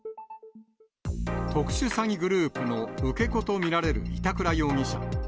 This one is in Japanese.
特殊詐欺グループの受け子と見られる板倉容疑者。